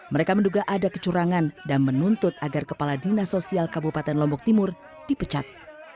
mereka menduga ada kecurangan dan menuntut agar kepala dinas sosial kabupaten lombok timur dipecat